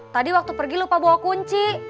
tadi waktu pergi lupa bawa kunci